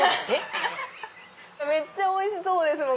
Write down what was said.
めっちゃおいしそうですもん